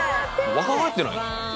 若返ってない？